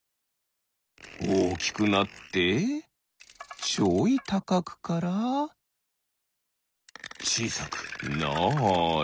おおきくなってちょいたかくからちいさくなる。